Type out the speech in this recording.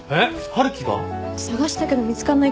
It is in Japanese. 捜したけど見つかんないって。